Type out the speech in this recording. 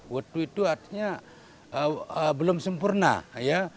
waddu itu artinya belum sempurna